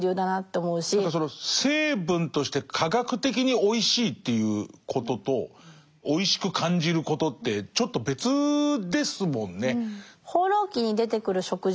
何かその成分として科学的においしいっていうこととおいしく感じることってちょっと別ですもんね。